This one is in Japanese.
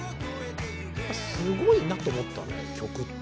すごいなと思ったね曲って。